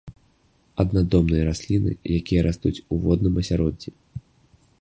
Аднадомныя расліны, якія растуць у водным асяроддзі.